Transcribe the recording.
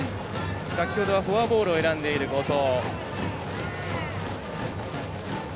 先ほどはフォアボールを選んでいる後藤。